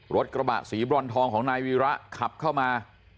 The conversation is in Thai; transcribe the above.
รถกระบะสีบรอนทองของนายวีระขับเข้ามา